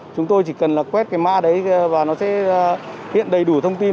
chúng tôi chỉ cần là quét cái ma đấy và nó sẽ hiện đầy đủ thông tin